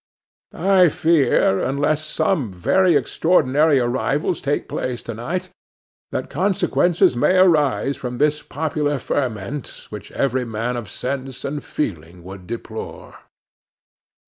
I fear, unless some very extraordinary arrivals take place to night, that consequences may arise from this popular ferment, which every man of sense and feeling would deplore.